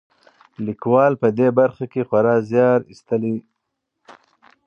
لیکوال په دې برخه کې خورا زیار ایستلی.